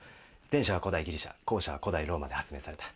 前者は古代ギリシャ後者は古代ローマで発明された。